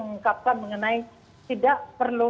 mengungkapkan mengenai tidak perlu